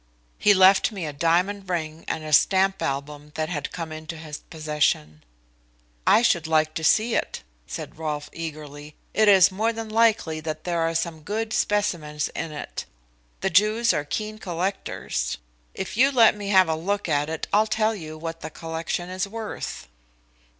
He left me a diamond ring and a stamp album that had come into his possession." "I should like to see it," said Rolfe eagerly. "It is more than likely that there are some good specimens in it. The Jews are keen collectors. If you let me have a look at it, I'll tell you what the collection is worth."